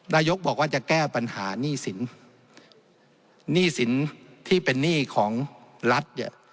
ระยกบอกว่าจะแก้ปัญหานี่สินนี่สินที่เป็นนี่ของรัฐ